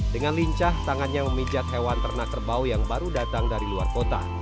dengan lincah tangannya memijat hewan ternak kerbau yang baru datang dari luar kota